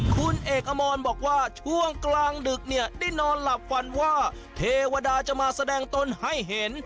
คุณเอกอมรบอกว่าช่วงกลางดึกเนี่ยได้นอนหลับฝันว่าเทวดาจะมาแสดงตนให้เห็น